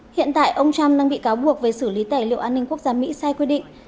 hiện tại ông trump đang bị cáo buộc về xử lý tài liệu an ninh quốc gia mỹ sai quy định